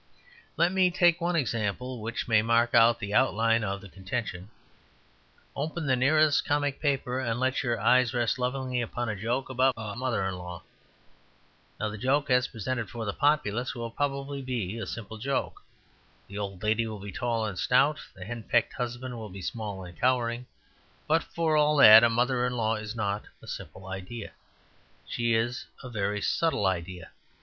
Let me take one example which may mark out the outline of the contention. Open the nearest comic paper and let your eye rest lovingly upon a joke about a mother in law. Now, the joke, as presented for the populace, will probably be a simple joke; the old lady will be tall and stout, the hen pecked husband will be small and cowering. But for all that, a mother in law is not a simple idea. She is a very subtle idea.